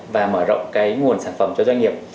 và mở rộng cái nguồn sản phẩm cho doanh nghiệp